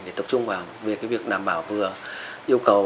để tập trung vào việc làm bảo vừa yêu cầu